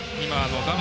画面